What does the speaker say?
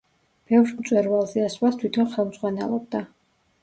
ბევრ მწვერვალზე ასვლას თვითონ ხელმძღვანელობდა.